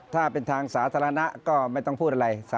ถ้าเป็นทางสาธารณะก็ไม่ต้องพูดอะไร